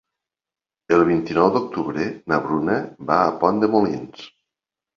El nou d'octubre na Bruna va a Pont de Molins.